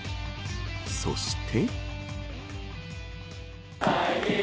そして。